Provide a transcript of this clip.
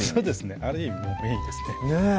ある意味メインですねねぇ